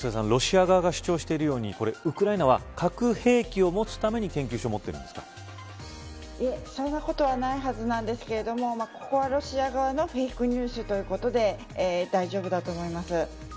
ロシア側が主張しているようにウクライナは核兵器を持つためにいえ、そんなことはないはずなんですけれどもここはロシア側のフェイクニュースということで大丈夫だと思います。